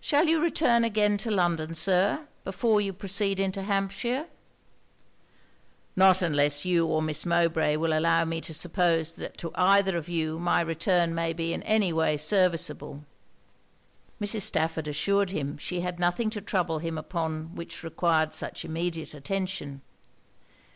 'Shall you return again to London, Sir, before you proceed into Hampshire?' 'Not unless you or Miss Mowbray will allow me to suppose that to either of you my return may be in any way serviceable.' Mrs. Stafford assured him she had nothing to trouble him upon which required such immediate attention.